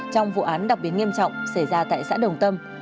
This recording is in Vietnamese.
trong vụ án đặc biệt nghiêm trọng xảy ra tại xã đồng tâm